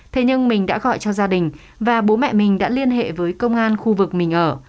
thế nhưng mình đã gọi cho gia đình và bố mẹ mình đã liên hệ với công an khu vực mình ở